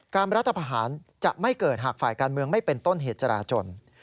รัฐพาหารจะไม่เกิดหากฝ่ายการเมืองไม่เป็นต้นเหตุจราจน